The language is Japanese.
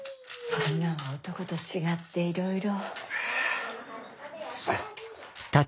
女は男と違っていろいろ。